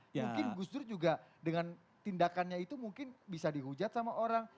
mungkin gus dur juga dengan tindakannya itu mungkin bisa dihujat sama orang